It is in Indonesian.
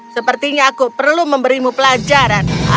sepertinya aku perlu memberimu pelajaran